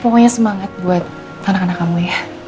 pokoknya semangat buat anak anak kamu ya